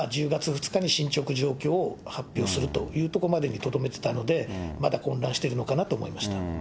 １０月２日に進捗情報を発表するというところまでに書いてくるかと思ってたので、まだ混乱してるのかなと思いました。